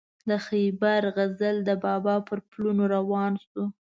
د خیبر غزل د بابا پر پلونو روان شو.